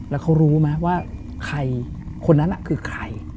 แล้วเขารู้ไหมว่าใครคนนั้นคือใคร